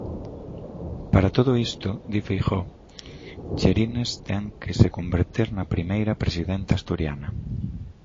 Para todo isto, di Feijóo, Cherines ten que se converter na primeira presidenta asturiana.